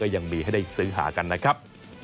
ยังมีให้ได้ซื้อหากันนะครับ